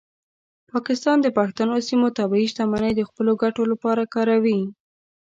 پاکستان د پښتنو سیمو طبیعي شتمنۍ د خپلو ګټو لپاره کاروي.